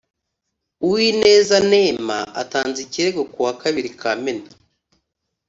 uwineza neema, atanze ikirego ku wa kabiri kamena